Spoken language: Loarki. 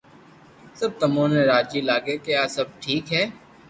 سب تمو نو راجي لاگي ڪي سب ٺيڪ ھي